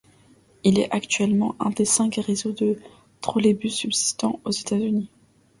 Il est actuellement un des cinq réseaux de trolleybus subsistant aux États-Unis.